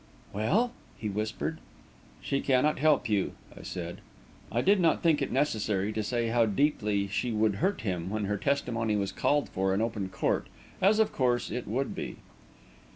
"Well?" he whispered. "She cannot help you," I said. I did not think it necessary to say how deeply she would hurt him when her testimony was called for in open court, as, of course, it would be.